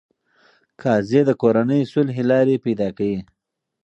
قاضي د کورني صلحې لارې پیدا کوي.